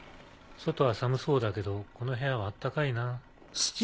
外は寒そうだけどこの部屋はあったかいな。